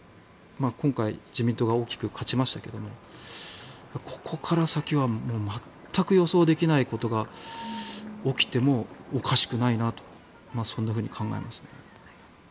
今回、自民党が大きく勝ちましたけどもここから先は全く予想できないことが起きてもおかしくないなとそんなふうに考えますね。